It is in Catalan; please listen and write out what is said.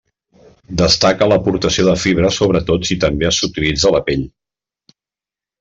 Destaca l'aportació de fibra sobretot si també s'utilitza la pell.